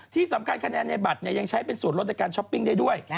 ที่สำคัญคะแนนในบัตรยังใช้เป็นส่วนลดในการช้อปปิ้งได้ด้วย